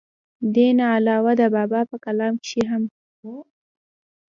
دې نه علاوه د بابا پۀ کلام کښې هم